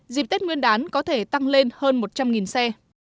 dịp tết nguyên đán có thể tăng lên hơn một trăm linh xe